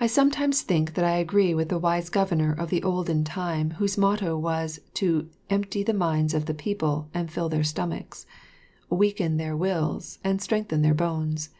I sometimes think that I agree with the wise governor of the olden time whose motto was to empty the minds of the people and fill their stomachs, weaken their wills and strengthen their bones.